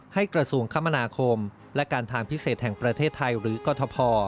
กระทรวงคมนาคมและการทางพิเศษแห่งประเทศไทยหรือกรทภ